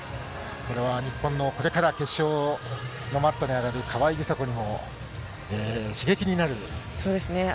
これは日本のこれから決勝のマットに上がる川井梨紗子にも刺激になると。